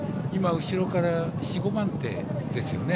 後ろから４５番手ですよね。